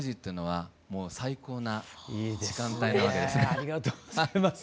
ありがとうございます。